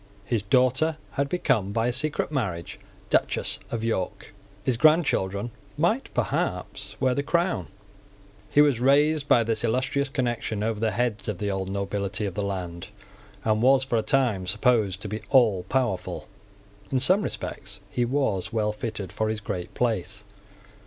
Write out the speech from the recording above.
His daughter had become, by a secret marriage, Duchess of York. His grandchildren might perhaps wear the crown. He was raised by this illustrious connection over the heads of the old nobility of the land, and was for a time supposed to be allpowerful. In some respects he was well fitted for his great place.